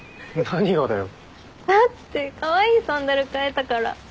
だってカワイイサンダル買えたから。